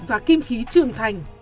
và kim khí trường thành